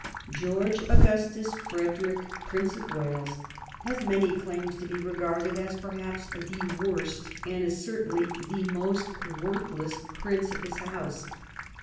George Augustus Frederick, Prince of Wales, has many claims to be regarded as perhaps the worst, and as certainly the most worthless, prince of his House.